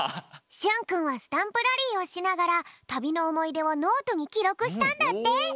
しゅんくんはスタンプラリーをしながらたびのおもいでをノートにきろくしたんだって。